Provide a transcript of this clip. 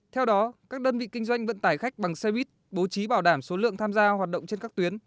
theo đó các đơn vị kinh doanh vận tải khách bằng xe buýt bố trí bảo đảm số lượng tham gia hoạt động trên các tuyến